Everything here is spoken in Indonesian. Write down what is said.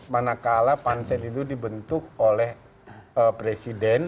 manakala pansel itu dibentuk oleh presiden